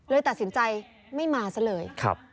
ตัดสินใจไม่มาซะเลย